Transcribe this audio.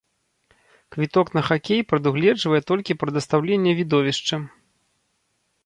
Квіток на хакей прадугледжвае толькі прадастаўленне відовішча.